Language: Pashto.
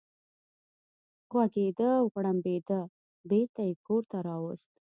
غوږېده او غړمبېده، بېرته یې کور ته راوست.